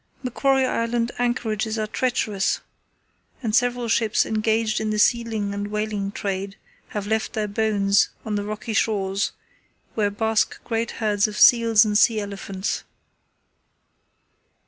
Macquarie Island anchorages are treacherous, and several ships engaged in the sealing and whaling trade have left their bones on the rocky shores, where bask great herds of seals and sea elephants.